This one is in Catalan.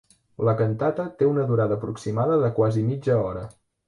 La cantata té una durada aproximada de quasi mitja hora.